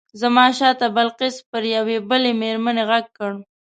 زما شاته بلقیس پر یوې بلې مېرمنې غږ کړ.